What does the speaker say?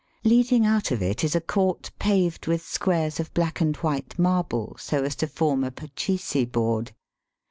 Leading out of it is a court paved with squares of black and white marble so as to form a pachisi board.